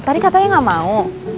tadi katanya gak mau